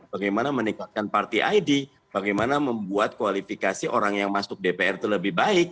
bagaimana meningkatkan party id bagaimana membuat kualifikasi orang yang masuk dpr itu lebih baik